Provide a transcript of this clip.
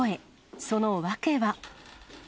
その訳は。